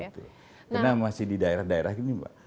iya betul karena masih di daerah daerah ini pak